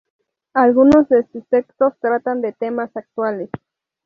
Algunos de sus textos tratan de temas actuales.